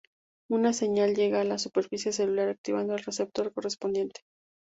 Una señal llega a la superficie celular, activando el receptor correspondiente.